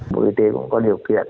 bộ y tế cũng có điều kiện